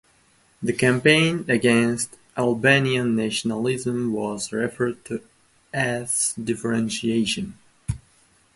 The campaign against Albanian nationalism was referred to as "differentiation".